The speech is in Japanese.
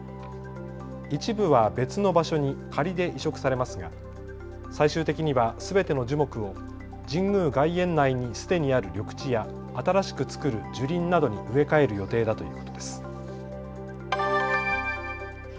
一部は別の場所に仮で移植されますが最終的にはすべての樹木を神宮外苑内にすでにある緑地や新しくつくる樹林などに植え替える予定だということです。